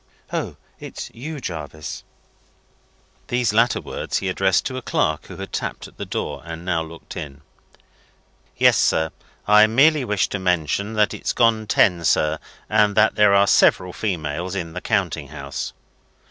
O! It's you, Jarvis!" These latter words he addressed to a clerk who had tapped at the door, and now looked in. "Yes, sir. I merely wished to mention that it's gone ten, sir, and that there are several females in the Counting house."